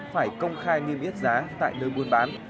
phải công khai nghiêm yết giá tại nơi buôn bán